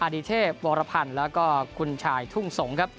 ดีเทพวรพันธ์แล้วก็คุณชายทุ่งสงครับ